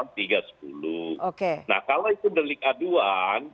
nah kalau itu delik aduan